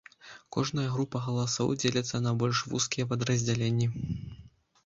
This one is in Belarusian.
Кожная група галасоў дзеліцца на больш вузкія падраздзяленні.